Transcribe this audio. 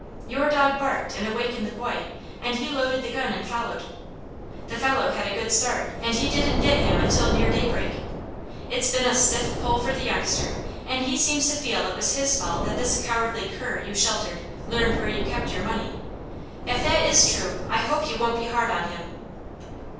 Your dog barked and awakened the boy and he loaded the gun and followed. The fellow had a good start and he didn't get him until near daybreak. It's been a stiff pull for the youngster and he seems to feel it was his fault that this cowardly cur you sheltered learned where you kept your money. If that is true, I hope you won't be hard on him!"